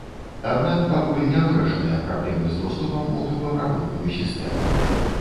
Аднак пакуль не вырашаныя праблемы з доступам у трубаправодную сістэму.